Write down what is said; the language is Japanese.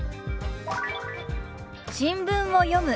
「新聞を読む」。